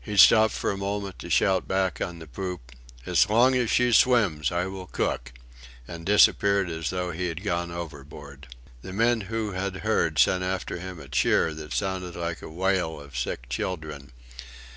He stopped for a moment to shout back on the poop: "As long as she swims I will cook!" and disappeared as though he had gone overboard. The men who had heard sent after him a cheer that sounded like a wail of sick children.